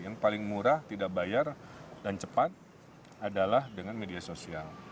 yang paling murah tidak bayar dan cepat adalah dengan media sosial